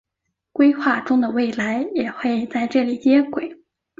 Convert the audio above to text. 规划中的未来也会在这里接轨。